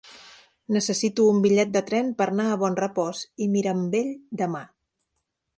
Necessito un bitllet de tren per anar a Bonrepòs i Mirambell demà.